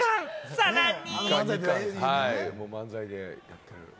さらに。